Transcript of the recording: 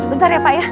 sebentar ya pak ya